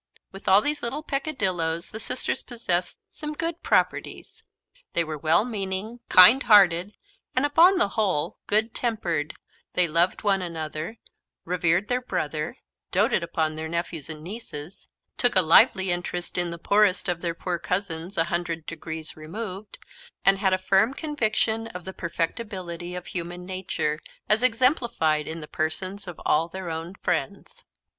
With all these little peccadilloes the sisters possessed some good properties. They were well meaning, kind hearted, and, upon the whole, good tempered they loved one another, revered their brother, doated upon their nephews and nieces, took a lively interest in the poorest of their poor cousins, a hundred degrees removed, and had a firm conviction of the perfectibility of human nature, as exemplified in the persons of all their own friends.